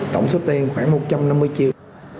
tổng số tiền khoảng một trăm năm mươi triệu